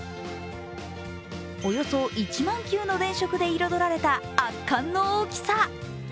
およそ１万球の電球で彩られた圧巻の大きさ。